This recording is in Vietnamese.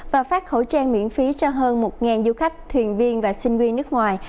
và phát khẩu trang miễn phí cho hơn một du khách thuyền viên và sinh viên nước ngoài